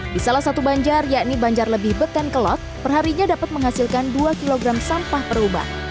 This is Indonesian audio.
di salah satu banjar yakni banjar lebih betenkelot perharinya dapat menghasilkan dua kg sampah perubah